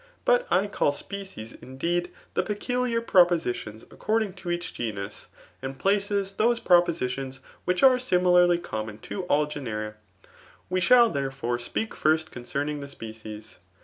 But I call species, indeed, the peculiar propositions according to each genus ; and places, those proposhions which are similarly common to all genera; We shall, therefore, speak first concerning the species.